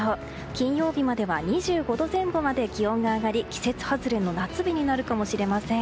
金曜日までは２５度前後まで気温が上がり季節外れの夏日になるかもしれません。